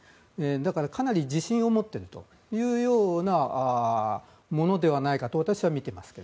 だから、かなり自信を持っているというようなものではないかと私は見ています。